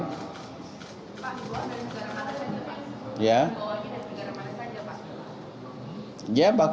pak wagi dari negara mana saja pak